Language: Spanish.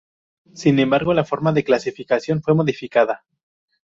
Sin embargo, la forma de clasificación fue modificada.